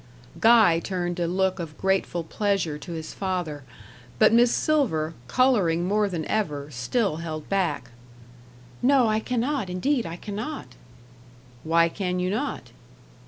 Guy turned a look of grateful pleasure to his father; but Miss Silver, colouring more than ever, still held back. "No, I cannot; indeed I cannot." "Why can you not?"